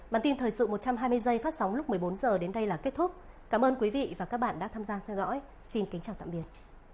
bản tin thời sự một trăm hai mươi giây phát sóng lúc một mươi bốn h đến đây là kết thúc cảm ơn quý vị và các bạn đã tham gia theo dõi xin kính chào tạm biệt